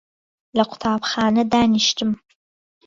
لە قوتابخانە دانیشتم